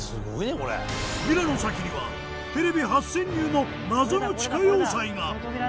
扉の先にはテレビ初潜入の謎の地下要塞が。